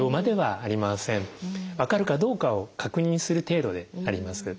分かるかどうかを確認する程度でやります。